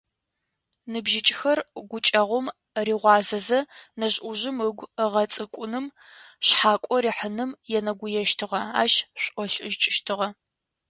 Ныбжьыкӏэр гукӏэгъум рыгъуазэзэ, нэжъ-ӏужъым ыгу ыгъэцӏыкӏуным, шъхьакӏо рихыным енэгуещтыгъэ, ащ шӏолӏыкӏыщтыгъэ.